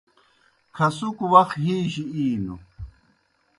کھسُکوْ وخ ہِیجیْ اِینوْ۔